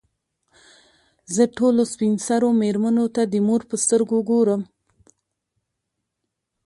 زه ټولو سپین سرو مېرمنو ته د مور په سترګو ګورم.